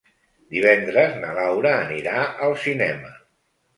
Divendres na Laura anirà al cinema.